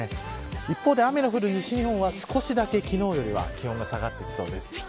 一方で雨が降る西日本は少しだけ昨日よりは気温が下がってきそうです。